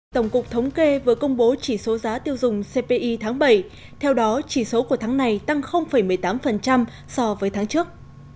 tổng cục thống kê vừa công bố chỉ số giá tiêu dùng cpi tháng bảy theo đó chỉ số của tháng này tăng một mươi tám so với tháng trước